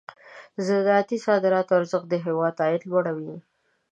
د زراعت صادراتي ارزښت د هېواد عاید لوړوي.